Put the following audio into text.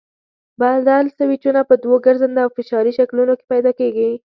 بدل سویچونه په دوو ګرځنده او فشاري شکلونو کې پیدا کېږي.